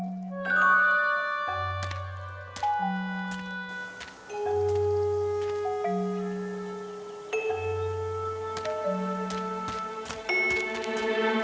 tidak ada apa apa